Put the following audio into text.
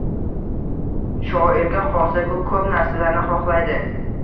Shoirga qolsa-ku, ko‘p narsalarni xoxlaydi.